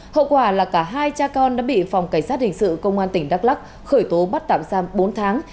hậu quả là cả hai cha con đã bị phòng cảnh sát hình sự công an tỉnh đắk lắc khởi tố bắt tạm giam bốn tháng